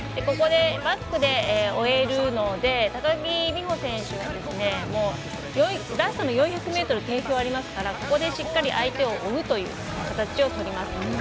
ここでバックで終えるので高木美帆選手はラストの４００ｍ定評がありますからここでしっかり相手を追うという形を取ります。